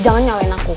jangan nyalain aku